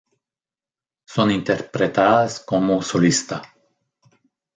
Son interpretadas como solista.